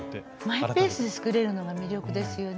マイペースで作れるのが魅力ですよね。